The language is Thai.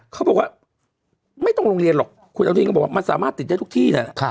เขาบอกว่าไม่ต้องโรงเรียนหรอกคุณอนุทินก็บอกว่ามันสามารถติดได้ทุกที่นะ